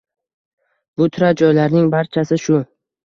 Bu turar-joylarning barchasi shu